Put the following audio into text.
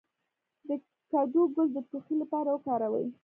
د کدو ګل د ټوخي لپاره وکاروئ